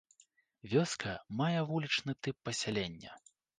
Вёска мае вулічны тып пасялення.